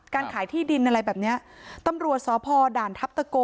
การขายที่ดินอะไรแบบเนี้ยตำรวจสพด่านทัพตะโก